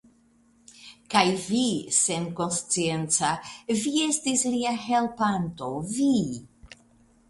Kaj vi, senkonscienca, vi estis lia helpanto, vi!